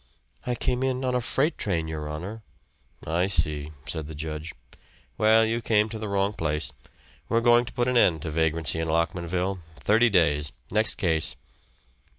"I came in on a freight train, your honor." "I see," said the judge. "Well, you came to the wrong place. We're going to put an end to vagrancy in Lockmanville. Thirty days. Next case."